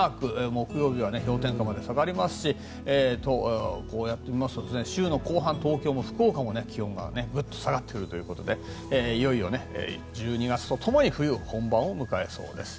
木曜日は氷点下まで下がりますしこうやって見ますと週の後半東京も福岡も気温がグッと下がってくるということでいよいよ１２月とともに冬本番を迎えそうです。